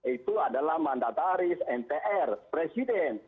itu adalah mandataris mpr presiden